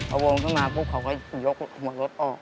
อำนังบวมขึ้นมาก็ยกหัวลดออก